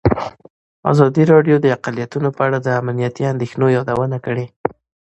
ازادي راډیو د اقلیتونه په اړه د امنیتي اندېښنو یادونه کړې.